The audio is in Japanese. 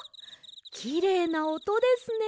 きれいなおとですね。